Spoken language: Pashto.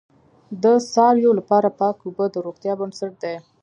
د څارویو لپاره پاک اوبه د روغتیا بنسټ دی.